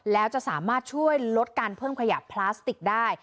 แล้วจะสามารถช่วยลดการเพิ่มขยะพลาสติกได้